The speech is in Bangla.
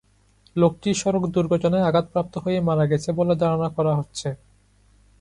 লোকটি সড়ক দুর্ঘটনায় আঘাতপ্রাপ্ত হয়ে মারা গেছে বলে ধারণা করা হচ্ছে।